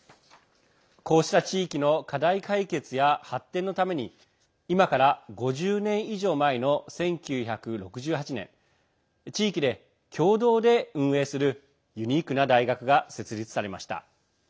こうした地域の課題解決や発展のために今から５０年以上前の１９６８年地域で共同で運営するユニークな大学が設立されました。